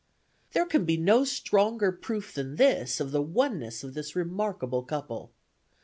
There can be no stronger proof than this of the oneness of this remarkable couple.